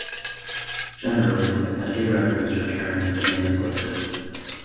Generally if an A record is returned the name is listed.